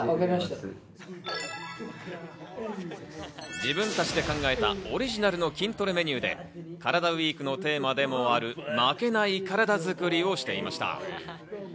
自分たちで考えたオリジナルの筋トレメニューでカラダＷＥＥＫのテーマでもある負けないカラダ作りをしていました。